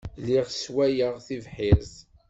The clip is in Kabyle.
Lliɣ sswayeɣ tibḥirt.